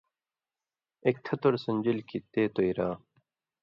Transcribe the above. ایک تھتُوڑ سݩدژیل کھیں تے تُوئرا